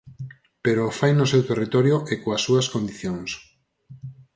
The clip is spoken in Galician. Pero o fai no seu territorio e coas súas condicións.